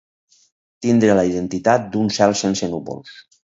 Tindré la identitat d'un cel sense núvols.